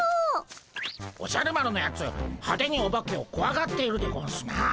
おじゃる丸のやつ派手にオバケをこわがっているでゴンスな。